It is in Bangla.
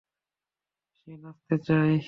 সে নাচতে চায়।